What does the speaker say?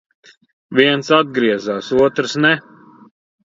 Viens atgriezās, otrs ne.